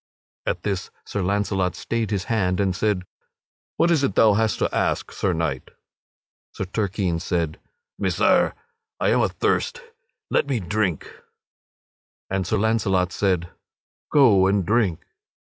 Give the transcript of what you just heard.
At this Sir Launcelot stayed his hand and said: "What is it thou hast to ask, Sir Knight?" Sir Turquine said: "Messire, I am athirst let me drink." And Sir Launcelot said: "Go and drink."